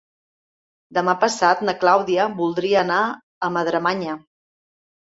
Demà passat na Clàudia voldria anar a Madremanya.